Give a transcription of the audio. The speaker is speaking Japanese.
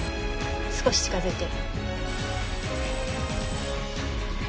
少し近づいて。